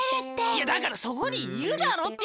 いやだからそこにいるだろって！